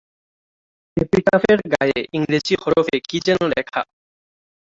এপিটাফের গায়ে ইংরেজি হরফে কী যেন লেখা।